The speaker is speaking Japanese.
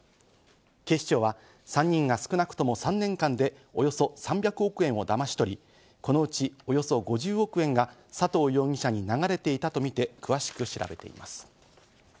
警視庁は３人が少なくとも３年間でおよそ３００億円をだまし取り、このうちおよそ５０億円が佐藤容疑者に流れていたとみて詳しく調べています。